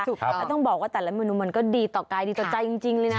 ถูกต้องแล้วต้องบอกว่าแต่ละเมนูมันก็ดีต่อกายดีต่อใจจริงเลยนะ